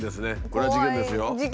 これは事件ですよ。